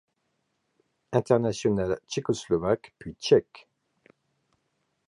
International tchécoslovaque puis tchèque.